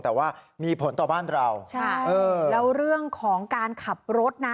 แต่ว่ามีผลต่อบ้านเราใช่เออแล้วเรื่องของการขับรถน่ะ